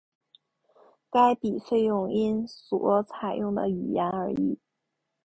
这笔费用因所采用的语言而异。